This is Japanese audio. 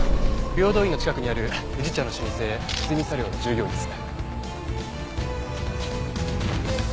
平等院の近くにある宇治茶の老舗久住茶寮の従業員です。